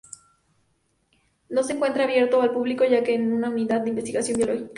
No se encuentra abierto al público ya que es una unidad de investigación biológica.